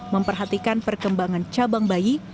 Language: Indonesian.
memperhatikan perkembangan cabang bayi